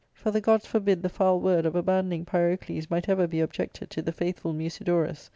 For the gods forbid the foul word of abandoning Pyro cles might ever be objected to the faithful Musidorus.